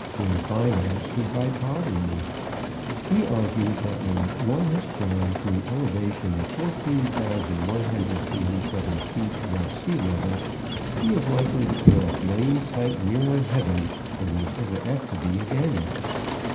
Damfino stood by Pod and me. She argued that when one has climbed to an elevation of 14,147 feet above sea level he is likely to feel a blamed sight nearer heaven than he is ever apt to be again.